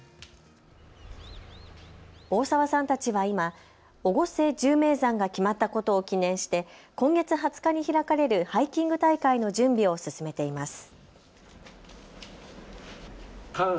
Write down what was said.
大沢さんたちは今、越生１０名山が決まったことを記念して今月２０日に開かれるハイキング大会の準備を進めています。